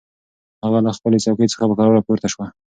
هغه له خپلې څوکۍ څخه په کراره پورته شوه.